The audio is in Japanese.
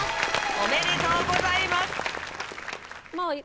おめでとうございます！